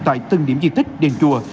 tại từng điểm di tích đền chùa